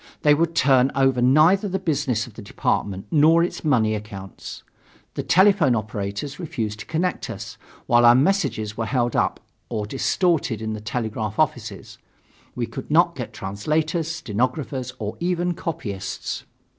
They would turn over neither the business of the department nor its money accounts. The telephone operators refused to connect us, while our messages were either held up or distorted in the telegraph offices. We could not get translators, stenographers or even copyists.